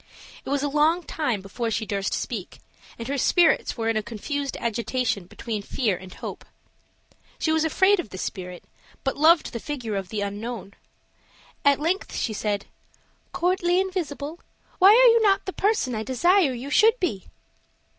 It was a long time before she durst speak, and her spirits were in a confused agitation between fear and hope. She was afraid of the spirit, but loved the figure of the unknown. At length she said: "Courtly invisible, why are you not the person I desire you should be?"